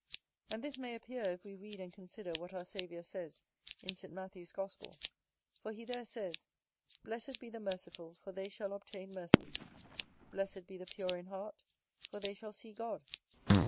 And this may appear, if we read and consider what our Saviour says in St. Matthew's Gospel; for He there says"Blessed be the merciful, for they shall obtain mercy. Blessed be the pure in heart, for they shall see God.